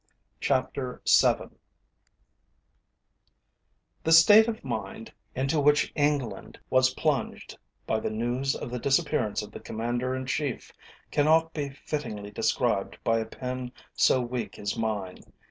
CHAPTER VII The state of mind into which England was plunged by the news of the disappearance of the Commander in Chief cannot be fittingly described by a pen so weak as mine.